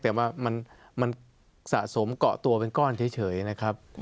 แต่ว่ามันสะสมเกาะตัวเป็นก้อนเฉยนะครับ